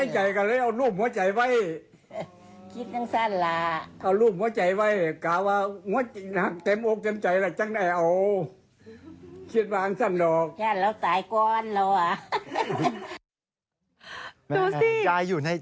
ใช่ก็เลยเอาจี้รูปหัวใจให้ไว้